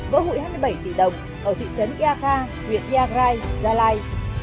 vỡ hủy hai mươi bảy tỷ đồng ở thị trấn ia kha huyện ia rai gia lai